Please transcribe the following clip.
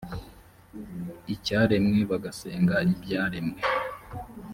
icyaremwe bagasenga ibyaremwe